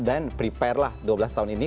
dan prepare lah dua belas tahun ini